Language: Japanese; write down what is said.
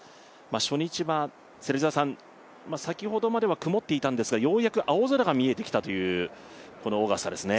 初日は先ほどまでは曇っていたんですがようやく青空が見えてきたというこのオーガスタですね。